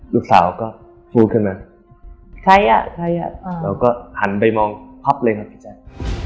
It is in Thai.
ลูกสาวก็พูดขึ้นมาใครอะใครอะแล้วก็หันไปมองพับเลยครับพี่แจ๊ค